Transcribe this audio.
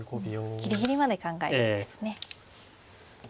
ギリギリまで考えてですね。